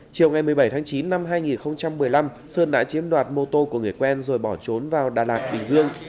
chiều ngày một mươi bảy tháng chín năm hai nghìn một mươi năm sơn đã chiếm đoạt mô tô của người quen rồi bỏ trốn vào đà lạt bình dương